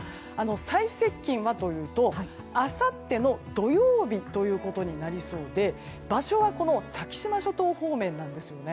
最接近はというとあさっての土曜日ということになりそうで場所は先島諸島方面なんですよね。